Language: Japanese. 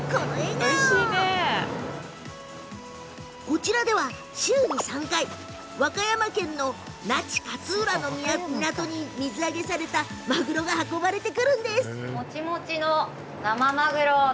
こちらでは、週に３回和歌山県の那智勝浦の港に水揚げされたマグロが運ばれてくるんです。